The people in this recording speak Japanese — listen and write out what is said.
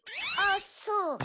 あっそう。